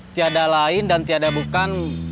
tiada lain dan tiada bukan